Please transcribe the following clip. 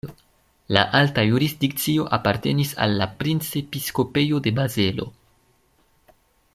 La alta jurisdikcio apartenis al la Princepiskopejo de Bazelo.